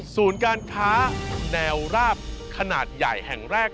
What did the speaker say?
การค้าแนวราบขนาดใหญ่แห่งแรก